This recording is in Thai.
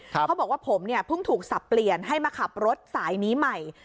เขาบอกว่าผมเนี่ยเพิ่งถูกสับเปลี่ยนให้มาขับรถสายนี้ใหม่